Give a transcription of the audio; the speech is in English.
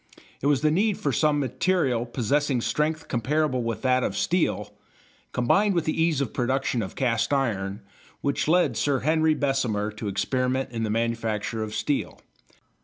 It was the need for some material possessing strength comparable with that of steel combined with the ease of production of cast iron which led Sir Henry Bessemer to experiment in the manufacture of steel.